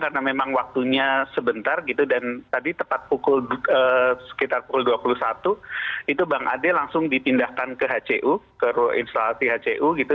karena memang waktunya sebentar gitu dan tadi tepat pukul sekitar pukul dua puluh satu itu bang ade langsung dipindahkan ke hcu ke ruang instalasi hcu gitu